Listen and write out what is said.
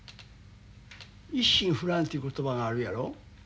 一心不乱って言葉があるやろ？